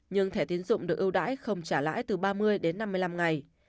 nhưng thẻ tiến dụng được ưu đãi không trả lãi từ ba mươi đến năm mươi năm ngày